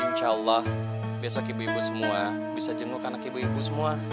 insya allah besok ibu ibu semua bisa jenguk anak ibu ibu semua